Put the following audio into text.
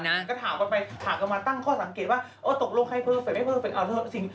การเปลี่ยน